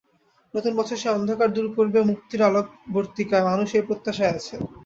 নতুন বছর সেই অন্ধকার দূর করবে মুক্তির আলোকবর্তিকায়, মানুষ সেই প্রত্যাশায় আছে।